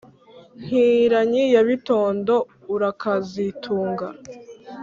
nkiranyi ya bitondo urakazitunga,